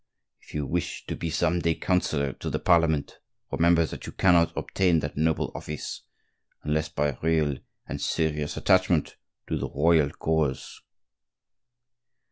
If you wish to be some day counsellor to the Parliament remember that you cannot obtain that noble office unless by a real and serious attachment to the royal cause."